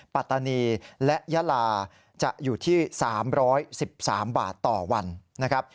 ปัตตานีและยาลาจะอยู่ที่๓๑๓บาทต่อวันนะครับ